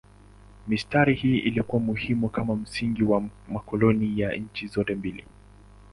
Mistari hii ilikuwa muhimu kama msingi wa makoloni ya nchi zote mbili.